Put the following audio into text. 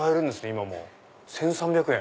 今もう「１３００円」。